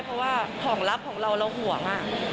เพราะว่าของลับของเราเราห่วง